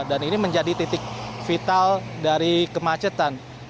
dan ini menjadi titik vital dari kemacetan